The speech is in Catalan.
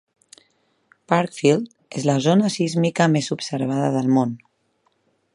Parkfield és la zona sísmica més observada del món.